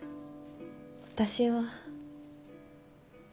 私は。